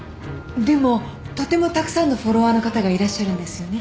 でもとてもたくさんのフォロワーの方がいらっしゃるんですよね？